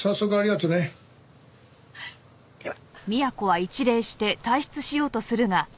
では。